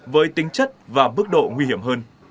với tính chất và bức độ nguy hiểm hơn